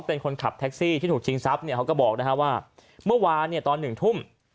เป็นคนขับแท็กซี่ที่ถูกชิงทรัพย์เนี่ยเขาก็บอกว่าเมื่อวานเนี่ยตอนหนึ่งทุ่ม